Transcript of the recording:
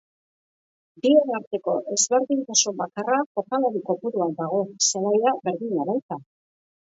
Bien arteko ezberdintasun bakarra jokalari kopuruan dago, zelaia berdina baita.